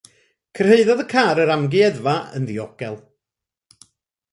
Cyrhaeddodd y car yr amgueddfa yn ddiogel.